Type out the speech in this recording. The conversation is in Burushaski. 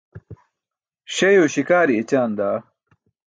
Śeyo śikaari écaan daa!